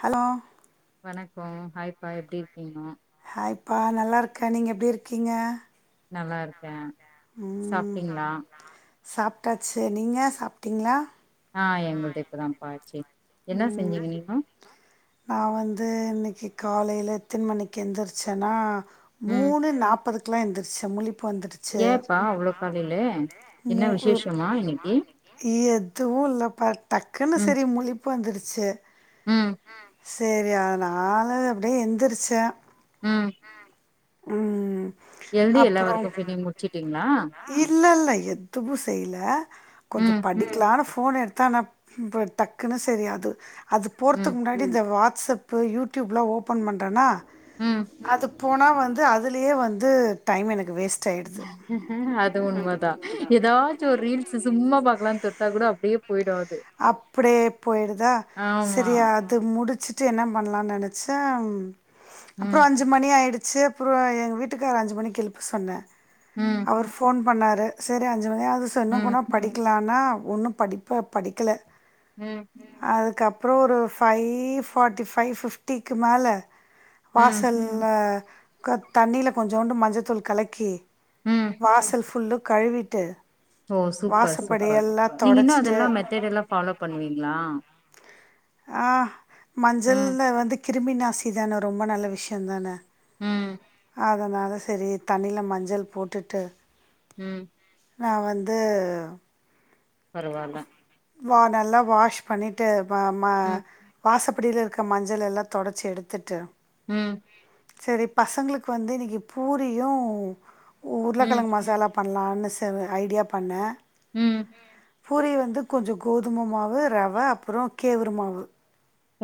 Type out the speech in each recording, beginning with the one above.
Hello வணக்கோ ஹாய்ப்பா எப்டி இருக்கீங்க ஹாய்ப்பா நல்லாருக்கே நீங்க எப்டி இருக்கீங்க நல்லாருக்கே ம் சாப்ட்டிங்களா சாப்ட்டாச்சு நீங்க சாப்ட்டீங்களா ஆ எங்களுது இப்ப தாம்ப்பா ஆச்சு என்ன செஞ்சீங்க நீங்கோ நா வந்து இன்னைக்கு காலையில எத்தின மணிக்கு எந்துருச்சேன்னா ம் மூணு நாப்பதுக்கெல்லா எந்துருச்ச முழிப்பு வந்துருச் சு ஏன்ப்பா அவ்ளோ காலையில? என்ன மூ ஆ விசேஷமா இன்னைக்கி? எதுவு இல்லப்பா டக்குனு ம் சரி முழிப்பு வந்துருச்சு ம் சேரி அதனால அப்டியே எந்துருச்ச ம் ம் எழுதி எல்லா ஒர்க்கும் பில்லிங் முடிச்சுட்டீங்களா இல்லல்ல எதுவு செய்யல கொஞ்ச ம் படிக்கலான்னு ஃபோன் எடுத்த ஆனா இ டக்குன்னு சரி அது அது ம் போறதுக்கு முன்னாடி இந்த வாட்ஸப் இப்போ யூடியூப்லா ஓப்பன் பண்றான்னா ம் அது போனா வந்து அதுலயே வந்து டைம் எனக்கு வேஸ்ட் ஆய்டுது அது உண்ம தா ஏதாச்சு ஒரு ரீல்ஸ் சும்மா பாக்கலாம்னு தொட்டா கூட அப்டியேபோயிடு அது அப்டியே போயிருதா ஆமா சரியா து முடிச்சுட்டு என்ன பண்லாம்னு நனைச்ச அப்புறோ அந் ம் அஞ்சு மனக ஆயிடுச்சு எங்க வீட்டுக்கார்ர அஞ்சு மணிக்கு எழுப்ப சொன்னே உ அவர் ஃபோன் பண்ணாரு சரி அஞ்சு மணிஆகுது சொன்னு ம் கூட படிக்கலனா ஒன்னு படிப்ப படிக்கல உ அதுக்கப்புறோ ஒரு ஃபை ஃபார்ட்டி ஃபைவ் ஃபிப்டிக்கு மேல ம் வாசல்ல தண்ணில கொஞ்சோண்டு மஞ்சத்தூள் கலக்கி ம் வாசல் ஃபுல்லு கழுவிட்டு ஓ சூப்பர் சூப்பர் வாசப்படியெல்லாம் நீங்க இன்னு தொடச்சிட்டு அதெல்லா மெத்தட் எல்லா ஃபாலோ பண்ணுவீங்களா ஆ ம் மஞ்சள்ல வந்து கிருமி நாசி தானே ரொம்ப நல்ல விஷயந் தானே உ அதனால சரி தண்ணில மஞ்சள் போட்டுட்டு உ நா வந்து பரவாயில்ல வா நல்லா வாஷ் பண்ணிட்டு வ ம ம் வாசப்படில இருக் அ மஞ்சள் எல்லா தொடச்சி எடுத்துட்டு உ சரி பசங்களுக்கு வந்து இன்னைக்கு பூரியு ம் உருளைக்கிழங்கு மசாலா பண்லானு ஐடியா பண்ணே ம் பூரி வந்து கொஞ்ச கோதும மாவு ரவ அப்புறோ கேவுரு மாவு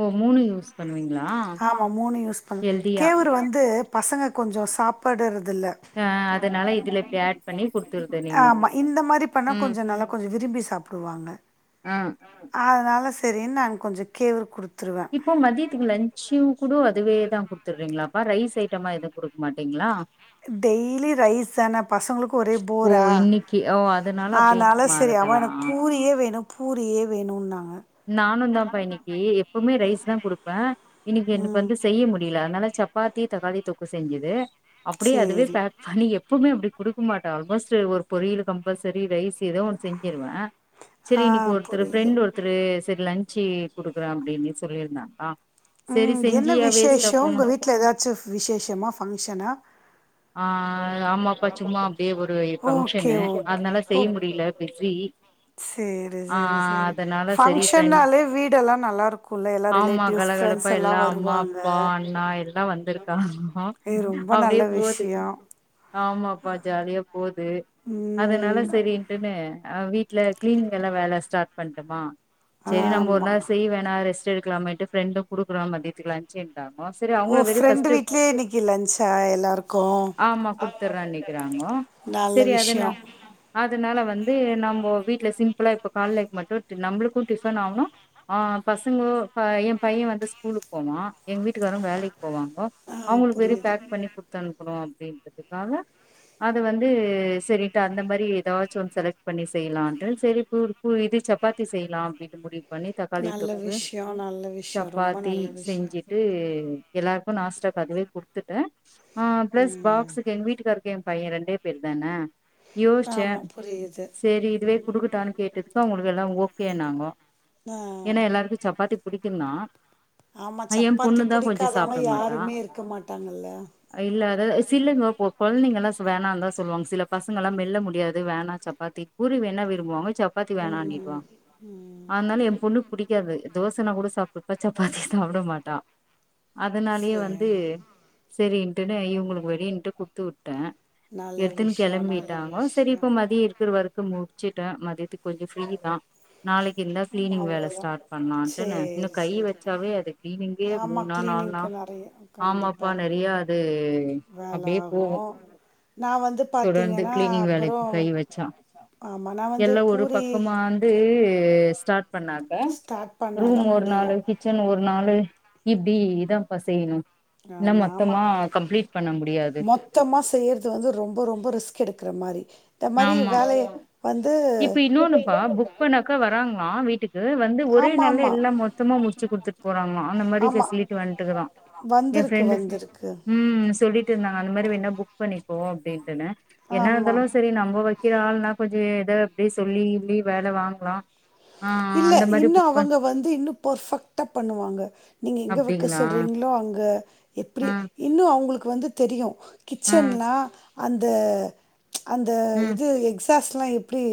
ஒ மூனு யூஸ் பண்ணுவீங்களா ஆமா மூணு யூஸ் பண்ணு ஹெல்தியா கேவுரு வந்து பசங்க கொஞ்ச சாப்பிடுறதில்ல ஆ அதனால இதுல இப்டி ஆட் பண்ணி குடுத்துருது நீங்கோ ஆமா இந்த மாரி பண்ணா ம் கொஞ்ச நல்லா கொஞ்சோ விரும்பி சாப்பிடுவாங்க ஆ அதனால சரின் நா கொஞ்ச கேவ குடுத்த இப்போ மதியத்துக்குலன் ஷிவ் குட அதுவே தா குடுத்துடுறீங்களாப்பா ரைஸ் ஐட்டமா எதுவு குடுக்க மாட்டீங்களா டெய்லி ரைஸ் தான பசங்களுக்கு ஒரே ஓ போரா இன்னைக்கு ஓ அதனால அப்டியே ஆரால இன்னைக்கு சரி ஆமா மாறுதலா எனக்கு பூரியே வேனு பூரியே வேணும்ன்னாங்க நானு தான்ப்பா இன்னைக்கு எப்பவுமே ரைஸ் தா குடுப்பே இன்னைக்கு எனக்கு ம். வந்து செய்ய முடியல அதனால சப் சப்பாத்தி தக்காளி தொக்கு செஞ்சுது அப்டியே அதுவே சரி. பேக் பனி எப்பவுமே அப்டி குடுக்க மாட்டே ஆல்மோஸ்ட் ஒரு பொரியலு கம்பல்ஸர ரைஸ் ஏதோ ஒன்னு செஞ்சிருவே ஆ செரி இன்னைக்கு ஒருத்தர் புரியுது. ஃப்ரெண்ட் ஒருத்தரு சரி லன்ச்சு குடுக்குறன் அப்டின்னு சொல்லியிருந்தாங்களா உ சரி என்ன செஞ்சியா வேஸ்ட்டா விசேஷோ போனு உங்க வீட்ல ஏதாச்சு விசேஷமா ஃபங்ஷனா ஆ ஆமாப்பா சும்மா அப்டியே ஒரு ஓகே, ஃபங்க்ஷனு அதனால செய்ய முடில பிஸி செரி ஆ செரி செரி அதனால சரி ஃப்ரெண்ட் ஃபக்ஷன்னாலே வீடெல்லா நல்லாருக்குல எல்லா ஆமா ரிலேட்டிவ்ஸ் ஃப்ரெண்ட்ஸ் கலகலப்பா எல்லா அம்மா, வருவாங் அப்பா, க அண்ணா எல்லா வந்திருக்காங்கோ. ஹே ரொம்ப நல்ல அப்டியே போது. விஷ்யோ ஆமாப்பா ஜாலியா போது ம் அதனால செரின்ட்டுன்னு அ வீட்ல க்ளீனிங்கெல்லா வேல ஸ்டார்ட் பண்டமா செரி நம்ப ஒர் ஆமா நாள் செய் வேணா ரெஸ்ட் எடுக்கலாமேட்டு ப்ரெண்டு குடுக்குறோ மத்தியதுக்கு லஞ்ச்சின் ராங்கோ செரி ஓ அவங்கல வெறி ஃப்ரெண்டு ஃபர்ஸ்ட்டு வீட்லயே இன்னைக்கு லன்ச்சா எல்லாருக்கு ஆம்மா குடுத்தற்றன் நிக்கிறாங்கோ நல்ல விஷ்யோ அதனால வந்து நம்போ வீட்ல சிம்ப்ளா இப்ப கால்லைக்கு மட்டுது நம்ப்ளுக்கு டிஃபன் ஆவுனு ஆ பசங்கோ ப ய என் பையன் வந்து ஸ்கூலுக் போவா எங் வீட்டுக்காரும் வேலைக் போவாங்கோ ஆ அவுங்ளுக்கு வெறியு புரியுது பேக் பண்ணி குத்தனுப்புன்னு அப்டின்றதுக்காக அது வந்து செரிட்டா அந்த மாரி ஏதாச்சு ஒன் செலக்ட் பண்ணி செய்லான்ட்டு செரி பூர் பூரி இது சப் ப்பாத்தி செய்லா அப்டின்னு முடிவு பண்ணி தக்காளி நல்ல தொக்கு விஷ்யோ நல்ல விஷ்யோ ரொம்ப சப்பாத்தி நல்ல விஷ்யோ செஞ்சிட்டு எல்லார்க்கும் நாஸ்டாக் அதுவே குடுத்துட்டேன் ஆ ப்ளஸ் ம் பாக்சுக்கு எங் வீட்டுக்காருக் என் பையன் ரெண்டே பேர் தான ஆமா யோஸ்ச்சேன் புரியுது செரி இதுவே குடுக்கட்டான்னு கேட்டதுக்கு அவுங்களு ல்லா ஓக்கே நாங்கோ ஆ ஏன்னா எல்லார்க்கு சப்பாத்தி புடிக்குந்தா ஆமா எ சப்பாத்தி பொண்ணுதா கொஞ்சோ புடிக்காதவங்க யாருமே இருக்க மாட்டாங்கல்ல ஆ இல்ல அதாது அ சில்லங்கபோ கொள்ந்தீங்கள்ளாஸ் வேணான்ந்தா சொல்வாங் சில பசங்கல்லா மெல்ல முடியாது வேணா சப்பாத்தி பூரி வேன்ணா விரும்புவாங்க சப்பாத்தி வேனான்னி ம் ம் ஆனால என் பொண்ணு புடிக்காது தோசனா கூட சாப்டுப்பா சப்பாத்தி சாப்ட மாட்டா அதனால்யே சேரி வந்து செரின்ட்டுன்னு இவுங்ளுக்கு வெறிந்ட்டு குட்த்துவுட்டேன் நல்ல எட்த்துன்னு விஷ்யோ நல்ல கெளம்பிட்டாங்கோ செரி விஷ்யோ இப்போ மதிய் இருக்குற வர்க்கு முட்ச்சிட்ட மதியத்துக்கு கொஞ்சோ ஃப்ரீ நா நாளைக்கு இந்த ஆமா க்ளீனிங் வேல அவ்ளோதா ஸ்டார்ட் பன்லாண்ட்டுனு இன்னு சேரி கை சேரி வச்சாவே அது க்ளீனிங் கே ஆமா மூன்னா நாள்னா கிளீனிங்க்கு நெறைய ஆமாப்பா கண்டிப்பா நெறையா அது வேல அப்டியே ஆகு போகு நா வந்து தொடர்ந்து பாத்தீங்கன்னா க்ளினிங் அப்புறோ வேலக்கு கை வெச்சா ஆமா நா வந்து எல்லா ஒரு பூரி பக்கமாந்து ஸ்டார்ட் பண்ணாக்க ஸ்டார்ட் பண்ணாதா ரூம் ஒரு முடியு நாளைக்குச் ச்சன் ஒரு நாளு இப்டி தா பா செய்ணு ஆ இல்னா மொத்தமா கம்ப்ளீட் பண்ண முடியாது த்தமா செய்யறது வந்து ரொம்ப ரொம்ப ரிஸ்க் எடுக்ற மாரி ந்த மாரி ஆமா வேலய வந்து இப்ப ஏதோ ஒரு இப்பனாக்கா வராங்ளா வீட்டுக் கு வந்து ஒரே ஆமா நாள்ல ஆமா எல்லா மொத்தமா முட்ச்சி குடுத்துட் போறாங்ளா அந்த மாரி ஃபேசிலிட்டி வண்டுக்குதா வந்துருக்கு வந்துருக் ம் சொல்லிட்டு இருந்தாங்க அந்த மாரி வேனா புக் பண்ணிப்போ அப்டின்ட்டுனு என்ன ஆமா இருந்தாலு செரி நம்போவை க்கிற ஆள்னா கொஞ்ச ஏதோ அப்டியே சொல்லி இல்லி வேல வாங்லா இல்ல இன்னு அவங்க வந்து இன்னு ஃபெர்பெக்ட்டா பண்ணுவாங்க நீங்க எங்க வெக்க அப்டிங்களா சொல்றீங்ளோ அங்க எப்டி ஆ இன்னு அவுங்ளுக்கு வந்து தெரியு ஆ கிச்சன்னா அந்த அந்த ம் இது எக்ஸாஸ்ட்லா எப்டி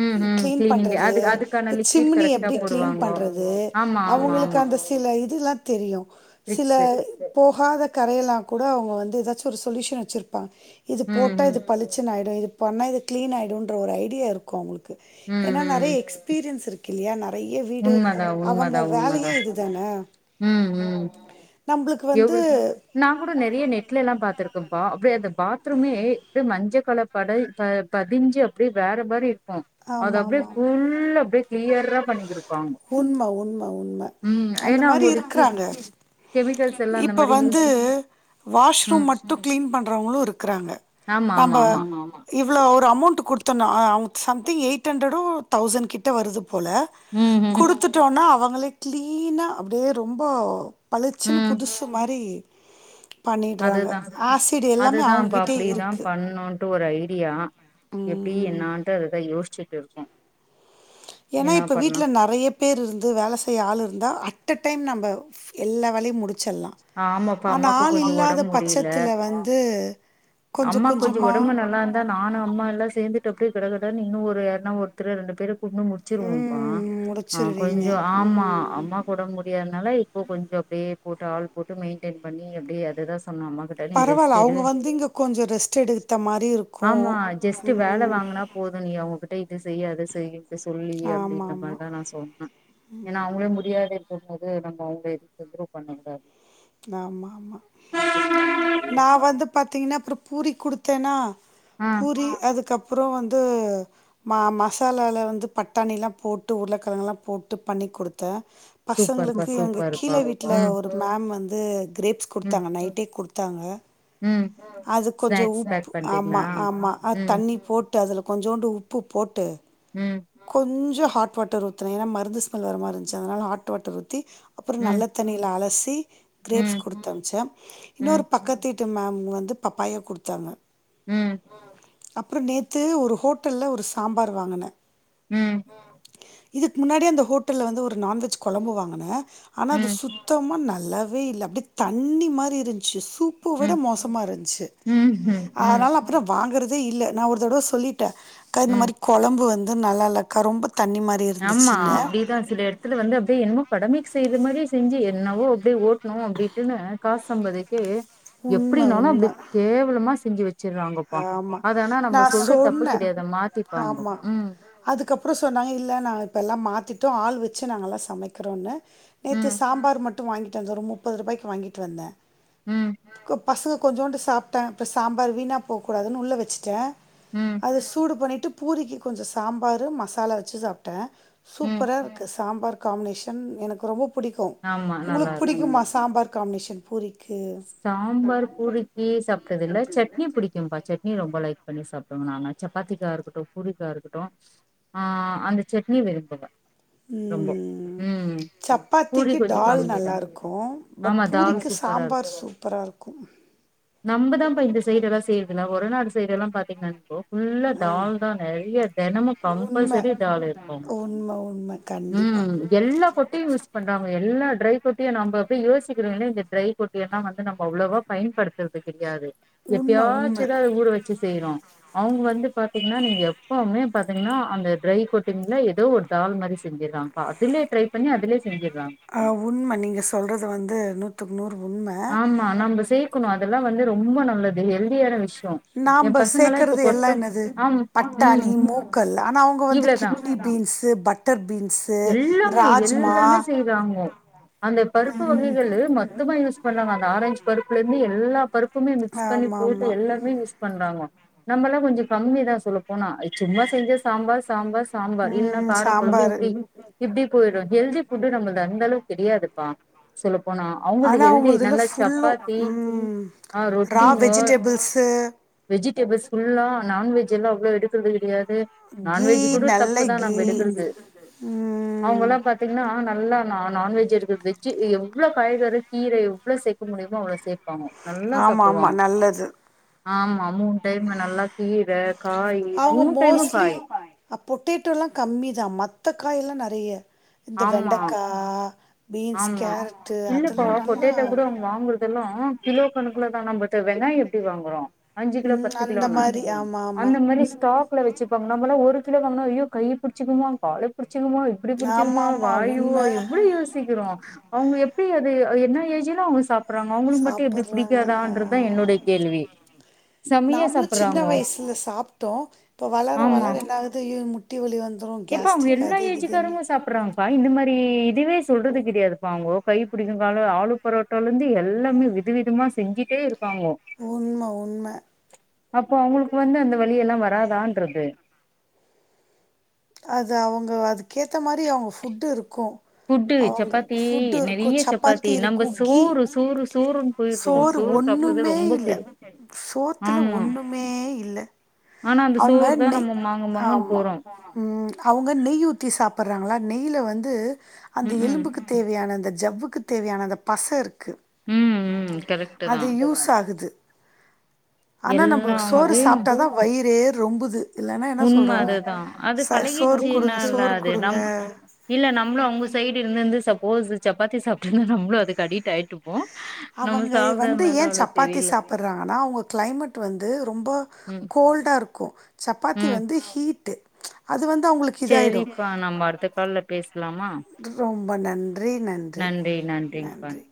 ம் ம் க்ளீன் கிளீனிங்கு பண்றது அது அதுக்கான த லிக்விட் சிம்முனி கரெக்டா எப்டி க்ளீன் போடுவாங்கோ பண்றது ஆமா ஆமா அவுங்ளுக் ஆமா அந்தஸ் தில இதுல்லா தெரியு சில விக்ஸு போகாத கரையெல்லா கூட அவங்க வந்து ஏதாச்சு ஒரு சொல்யூஷன் வச்சிருப்பாங்க இது ம் போட்டா ம் இது பளிச்சுனு ஆயிடூ இது பண்ணா இது க்ளீன் ஆயிடுன்ற ஒரு ஐடியா இருக் கூ உங்களுக்கு ம் ஏன்னா ம் நெறய எக்ஸ்பீரியன்ஸ் இருக் கில்லையா நெறய வீடு உண்மதா அவங்க உண்மதா வேலயே உண்மதா இதுதான ம் ம் நம்பளுக்கு வந்து எவ்ள நா கூட நெறய நெட்லெல்லா பாத்துருக்கேப்பா அப்டிய அந்த பாத்ரூமே அப்டியெ மஞ்ச கலர் பட ப பதிஞ்சு அப்டியெ வேற மாரி இருக்கே அது ஆமாம் அப்டியே ஆமாம் ஃபுல்லா அப்டியே க்ளியரா பண்ணிந்திருப்பா உண்ம உண்ம உண்ம அந்த மாரி அவங்க லிக்விட் இருக்குறாங்க கெமிக்கல்ஸ் எல்லா அந்த இப்ப மாரி யூஸ் வந்து ம் வாஷ்ரூம் மட்டூ க்ளீன் பண்றவங்களூ இருக்குறாங்க ஆமா நம்ம ஆமா ஆமா இவ்ளோ ஒரு அமௌண்ட் குடுத்தோணா அவங்க சம்திங் எயிட் ஹண்ட்ரடூ தௌசண் கிட்ட வருது போல ம் ம் குடுத்துட்டோனா அவங்களே க்ளீனா அப்டியே ரொம்ப பளீச்சின்னு ம் புதுசு மாரி பண்ணிடுறாங்க அதுதா ஆசிட் எல்லாமே அதுதாம்பா அவங்ககிட்டயே அப்டிதா இருக்கு பண்ணணும்ட்டு ஒரு ஐடியா எப்டி ம் என்னான்றத அததெ யோசிச்சுட்டு இருக்கோ ஏன்னா என்ன இப்ப பண்லா வீட்ல நெறயப் பேர் இருந்து வேல செய்ய ஆள் இருந்தா அட்ட டைம் நம்ப எல்லா வேலையூ முடிஞ் சிர்லா ஆமாப்பா ஆனா அம்மாக்கு ஆள் கொஞ்சோ இல்லாத ஒடம்பு முடியல பச்சத்துல வந்து கொஞ்சோ அம்மா கொஞ்சோமா ஒடம்பு நல்லா இருந்தா நானு அம்மால்லா சேர்ந்துட்டு டொக்கு கடகடன்னு இன்னூ ஒரு யார்னா ஒருத்தரூ ரெண்டு பேர கூட்னூ முடித் முடிச்சிருவோம்ப்பா ம் ஆ முடிச்சிருவீங்க கொஞ்சோ ஆமா ம் அம்மாக் போட முடியாதுனால இப்போ கொஞ்சோ அப்டியே போட்டு ஆள் போட்டு மெயின்டென் பண்ணி அப்டி அதுதா சொன்னே அம்மா கிட் சரி ரெஸ்ட் பரவாயில்ல எடு அவங்க வந்து இங்கே கொஞ்சம் ரெஸ்ட் எடுத்த மாதிரி இருக்கும் ஆமா ஜஸ்ட் வேல ம் வாங்குனாப் போதூ நீ அவங்ககிட்ட இது செய் அத செய் அப்டி சொல்லி ஆமாம் அப்டின்ற ஆமாம் மாரிதா நா சொன்னே ஏன்னா அவங்களே முடியாது போவ் போது நம்ம அவங்க எந் தொந்தரவு பண்ணா இல்ல ஆமாம்மா நா வந்து பாத்தீங்கன்னா அப்புறோ பூரி குடுத்தேனா ஆ பூரி அதுக்கப் அப்றோ வந்து மா மசாலால வந்து பட்டாணி எல்லா போட்டு உருளக் கிழங்குல்லா போட்டு பண்ணி கொடுத்தெ சூப்பர்ப்பா பசங்களுக்கு எங்க சூப்பர்ப்பா கீல வீட்ல ம் ஒரு மேம் வந்து கிரேப்ஸ் ம் குடுத்தாங்க நைட்டே குடுத்தாங்க ம் அது கொஞ்சோ ஸ்நாக்ஸ் பேக் உப்பு பண்றீங்களா ஆமா ஆமா அத் ம் தண்ணி போட் விட்டு அதில கொஞ்சோண்டு உப்பு போட்டு ம் கொஞ்சொ ஹாட் வாட்டர் ஊத்துனய்யா மருந்து ஸ்மெல் வர மாரிந்துச்சு அதனால ஹாட் வாட்டர் ஊத்தி அப்புறோ ம் நல்லத் தண்ணியில அலசி க்ரேப்ஸ் ம் கொடுத்தனுப்ச்சே ம் இன்னொரு பக்கத் து வீட்டு மேம் வந்து பப்பாயா குடுத்தாங்க ம் அப்புறோ நேத்து ஒரு ஹோட்டல்ல ஒரு சாம்பார் வாங்னே ம் இதுக் முன்னாடி அந்த ஹோட்டல்ல வந்து ஒரு நான்வெஜ் கொழம்பு வாங்கனே ஆனா அது ம் சுத்தமா நல்லாவே இல்ல அப்படியே தண்ணி மாதிரி இருந்ச்சு சூப் பூ விட ம் மோசமா இருந்ச்சு ம் ம் ம் அதனால வாங்குறதே இல்ல நா ஒரு தடவ சொல்லிட்டே அக்கா இந்த ம் மாதிரி கொழம்பு வந் து நல்லாலக்கா ரொம்ப தண்ணி மா ஆமா அப்படிதான் சி எடுத் துல வந்து அப்டியே என்னமோ கடமைக்கு செய்ற மாரியே செஞ்சு என்னவோ அப்படியே ஓட்ணு அப்டிட்டுன்னு காஸ் சம்பதுகே உண்ம எப்படினாலு உண்ம அப்படி கேவலமா செஞ்சு வெ ச்சிருவாங்கப்பா ஆமா. அத அனா நம்ப நான் சொல்றது தப்பு சொன்னேன். கெடையாது மாத்திப்பாங்கோ ம் அதுக்கப்பறோ சொன்னாங்க இல்ல நா இப்ப எல்லா மாத்திட்டோ ஆள் வச்சு நாங்கல்லா சமைக்கறோன்னு நேத்து ம் சாம்பார் மட்டு வாங்கிட்டு வந்த ஒரு முப்பது ரூபாய்க்கு வாங்கிட்டு வந்த ம் கு பசங்க கொஞ்சூண்டு சாப்ட்ட இப்ப சாம்பார் வீணா போக்கூடாதுன்னு உள்ள வெச்சுட்ட ம் அத சூடு பண்ணிட்டு பூரிக்கு கொஞ்ச சாம்பாரு மசாலா வச்சு சாப்ட்ட ம் சூப்பராக இருக்கு சாம்பார் காம்பினேஷன் எனக்கு ரொம்ப புடிக்கு ஆமா நல்லா உங்களுக்கு இருக்கு பிடிக்குமா சாம்பார் காம்பினேஷன் பூரி சாம்பார் பூரிக்கு சாப்ட்டது இல்ல சட் னி புடிக்கும்பா சட்னி ரொம்ப லைக் பண்ணி சாப்டுவ நானு சப்பாத்திக்கா இருக்கட்டு பூரிக்கா இருக்கட்டு ஆ அந்த சட்னி விரும்புவ ரொம்போ ம். ம் பூரி சப்பாத்திக்கு கொஞ்சோ டால் கம்மி தா. நல்லாயிருக்கு பட் ஆமா தால் பூரிக்கு சூப்பரா சாம்பார் சூப்பரா இருக்கு நம்பதா பா இந்த சைடெல்லா செய்றதுல்ல ஒட நாடு சைடு எல்லா பாத்திங்கன்னா போ ஃபுல்லா அ தால் தா நெறைய தெனமு உண்ம. கம்பல்சரி தால் இருக்கும் உண்ம, உண்ம கண்டிப்பா டி யூஸ் பண்றாங்க எல்லா ட்ரை [unintelligible] நம்ப அப்டியே யோசிக்கறோ ஏன்னா இந்த ட்ரை [unintelligible] எல்லா வந் து நம்ம அவ்ளவா பயன்படுத்தறது கெடையாது உண்ம, உண்ம. எப்பயாச்சுதா அத ஊற வச்சு செய்றோ அவுங்க வந்து பாத்திங்கன்னா நீங்க எப்பவுமே பாத்திங்கன்னா அந்த ட்ரை கொட்டிங்ல எதோ ஒரு தால் மாரி செஞ்சர்றா இப்ப அதுலே ட்ரை பண்ணி அதுலே செஞ்சர்றாங் ஆ உண்ம நீங்க சொல்றது வந்து நூத்துக்கு நூறு உண்ம [unintelligible] க்கணு அதல்லா வந்து ரொம்ப நல்லது ஹெல்தியான விஷயோ நாம்ப சேக்கறது எல்லா என்னது ஆம். ம். பட்டாணி மூக்கல் அனா அவுங்க வந்து இவ்ளதான். கிட்னி பீன்ஸு பட்டர் பீன்ஸ் எல்லாமே எல்லாமே செய்றாங்க அந்த பருப்பு வகைகள்ளு மொத்தமா யூஸ் பண்ண [unintelligible] ஆரஞ்சு பருப்புல இருந்து எல்லா பருப்புமே மிக்ஸ் பண்ணி போட்டு ஆமாமா. எல்லாமே மிக்ஸ் பண்றாங்க நம்மல்லா கொஞ்சோ கம்மி தா சொல்லப்போனா சும்மா செஞ்ச சாம்பார் சாம்பார் சாம்பார் இல்ன்னா ம். காரக்கொழம்பு சாம்பாரு. இப்டி இப்டி போயிடு ஹெல்தி ஃபுட்டு் நம்பள்து அந்த அளவுக்கு தெரியாதுப்பா சொல்ல போனா அவுங்களுது ஆனா ஹெல்தி உங்களுதுல நல்லா ஃபுல்லு சப்பாத்தி ம் ஆ ரா ரொட்டிங்கொ வெஜிடபிள்ஸு வெஜிட்டேபிள்ஸ் ஃபுல்லா நான்வெஜ் எல்லா அவ்ளோ எடுக்கறது கிடையாது கீ நான்வெஜ் கூட நல்ல தப்புதா கீ நம்ப எடுக்கறது ம் அவுங்கள்ளா பாத் தின்னா நல்லா நான் நான்வெஜ் எடுக்கறது வெஜ்ஜு எவ்ளோ காய்கறி கீரை எவ்ளோ சேக்க முடியுமோ அவ்ளோ சேப்பாங்க நல்லா ஆமா ஆமா சாப்டுவாங்க நல்லது ஆமா மூண் டைமு நல்லா கீர காய் மூண் டைமு காய் அ பொட்டேட்டோல்லா கம்மிதா மத்த காயெல்லா நறைய இந்த ஆமா வெண்டக்கா பீன்ஸ் ஆமா கேரட்டு் அதல்லா நல்லா இதெல்லா கிலோ கணக்குலதா நம்மட்ட வெங்கயோ எப்டி வாங்கறோ அஞ்சு கிலோ ம் பத்து அந்த கிலோன்னு மாரி ஆமா ஆமா அந்த மாரி ஸ் டாக்ல வெச்சுப்பாங்க நம்மளா ஒரு கிலோ வாங்னா ஐயோ கை புடிச்சுக்குமோ கால புடிச்சுக்குமோ இப்புடி ஆமா புடிச்சிக்குமோ ஆமா வாயு ஒ உண்ம எப்படி யூஸ் கிரு அவுங்க எப்டி அது என்ன ஏஜின்னு அவுங்க சாப் அப்புறாங்க அவங்களுக்கு மட்டும் எப்டி சாப்புட்றாங்க பிடிக்காதா இன்றதுதா என்னேடய கேள்வி செமையா நாமளும் சின்ன சாப்றாங்கோ வயசுல சாப்ட்டோ வளர ஆமா வளர என்னாவது அய்யோ முட் டிவலி வந்தரும் கோஸ்டி அது இதுன்னு றாங்கா இந்த மாரி இதுவே சொல்றது கிடையாதுப்பா அவங்க கை பிடிக்கும் கால ஆளு போரோ ட்ட ல இருந்து எல்லாமே வித விதமான செஞ்சிட்டே இருப்பாங்கோ உண்ம உண்ம அப்போ அவங்களுக்கு வந்து அந்த வலி எல்லா வராதான்று இருக்கு அது அவங்க அதுக்கேத்த மாரி அவங்க ஃபுட்டு இருக்கும் ஃபுட்டு அவங்க சப்பாத்தி ஃபுட்டு இருக்கு நெறைய சப்பாத்தி நம்ம இருக்கு கி சோறு சோறு சோறுன்னு போயிடுறோ சோறு சாப்பிடுறது ஒண்ணுமே ரொம்ப இல்ல கெடு சோத்துல ஆமா ஒண்ணுமே இல்ல ஆனா அந்த அவங்க சோறு தா நேய் நம்ம மாங்கு மாங்குன்னு ஆமா போறோ அவங்க நெய் ஊத்தி சாப்ட்றாங்களா நெய்யில வந்து அந்த ம் ம் எலும்புக்கு தேவையான அந்த ஜவ்வுக்கு தேவையான அந்த பச இருக்கு ம் அது யூஸ் ஆகுது ஆனா எல்லா நம்ளுக்கு சோறு வகையு சாப்ட்டாதா வயிறே ரொம்புது இல்லன்னா என்ன உண்ம சொல்கிறாங்க அதுதா அது ச சோறு கொடுங்க பழகிடுச்சுனால சோறு அது கொடுங்க நம் இல்ல நம்மளும் அவங்க சைடு இருந்துருந்து சப்போஸ் சப்பாத்தி சாப்ட்டு இருந்து நம்மளும் அதுக்கு அடிட்டு ஆயிட்டு இருப்போ அவங்க வந்து ஏ சப்பாத்தி தெரில சாப்ட்றாங்கன்னா அவங்க கிளைமேட் வந்து ரொம்ப ம் ரொம்ப கோல்டா இருக்கு சப்பாத்தி ம் வந்து ஹீட் அது வந்து அவங்களுக் செரிப்பா நம்ம அடுத்த கால்ல பேசலாமா ரொம்ப நன்றி நன்றி நன்றி